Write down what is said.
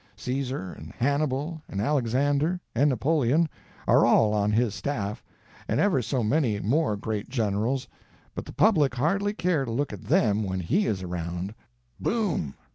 Cæsar, and Hannibal, and Alexander, and Napoleon are all on his staff, and ever so many more great generals; but the public hardly care to look at them when he is around. Boom!